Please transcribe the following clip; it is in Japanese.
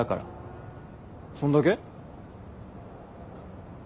そんだけ？